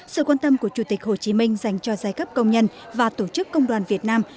sự quan tâm của chủ tịch hồ chí minh dành cho giai cấp công nhân và tổ chức công đoàn việt nam